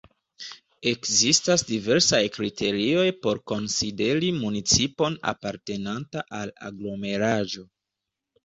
Ekzistas diversaj kriterioj por konsideri municipon apartenanta al aglomeraĵo.